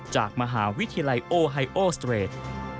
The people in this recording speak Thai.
จากมหาวิทยาลัยโอไฮโอสเตรด